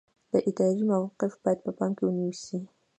د ادارې موقف باید په پام کې ونیسئ.